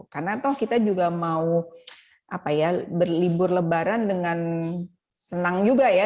karena toh kita juga mau berlibur lebaran dengan senang juga ya